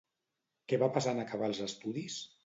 Què va passar en acabar els estudis?